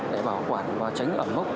để bảo quản và tránh ẩm hốc